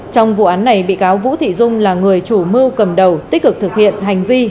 trong vụ án này bị cáo vũ thị dung là người chủ mưu cầm đầu tích cực thực hiện hành vi